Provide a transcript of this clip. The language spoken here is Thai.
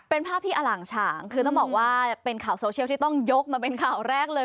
เป็นภาพที่อล่างฉางคือต้องบอกว่าเป็นข่าวโซเชียลที่ต้องยกมาเป็นข่าวแรกเลย